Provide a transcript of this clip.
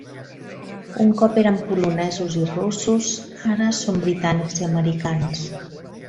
Un cop eren polonesos i russos; ara són britànics i americans.